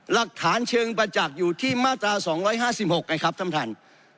รักฐานเชิงประจักษ์อยู่ที่มาตราสองร้อยห้าสิบหกไงครับท่ามท่าน